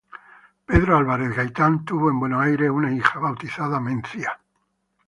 Pedro Álvarez Gaytán tuvo en Buenos Aires una hija, bautizada Mencia.